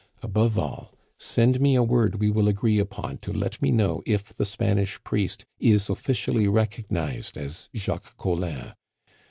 Above all, send me a word we will agree upon to let me know if the Spanish priest is officially recognized as Jacques Collin.